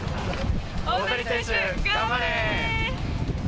大谷選手、頑張れー！